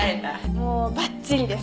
もうバッチリです！